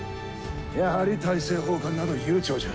やはり大政奉還など悠長じゃ。